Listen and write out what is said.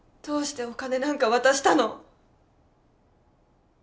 どうしてお金なんか渡したの？